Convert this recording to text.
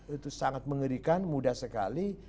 itu sangat mengerikan mudah sekali